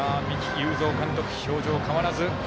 有造監督表情変わらず。